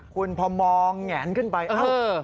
คุณพอมองแหงนขึ้นไปเอ้า